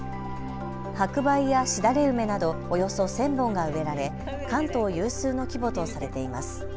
白梅やしだれ梅などおよそ１０００本が植えられ関東有数の規模とされています。